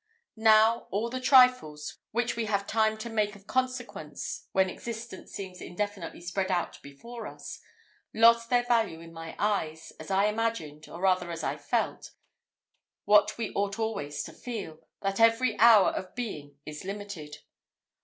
Now, all the trifles, which we have time to make of consequence when existence seems indefinitely spread out before us, lost their value in my eyes, as I imagined, or rather as I felt, what we ought always to feel, that every hour of being is limited.